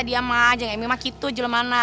diam aja emang emang gitu jele mana